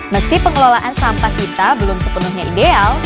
meski pengelolaan sampah kita belum sepenuhnya ideal